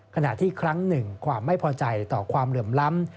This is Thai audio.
ขณะที่ครั้งหนึ่งความไม่พอใจต่อความเหลื่อมล้ำ